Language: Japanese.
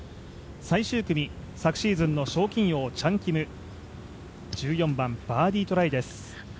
最終組、昨シーズンの賞金王チャン・キム、１４番バーディートライです。